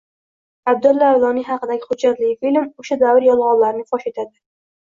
Abdulla Avloniy haqidagi hujjatli film o‘sha davr yolg‘onlarini fosh etadi